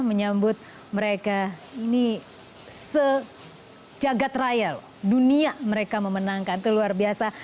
menyambut mereka ini sejagat raya dunia mereka memenangkan itu luar biasa